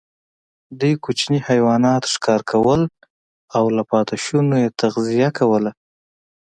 دوی کوچني حیوانات ښکار کول او له پاتېشونو یې تغذیه کوله.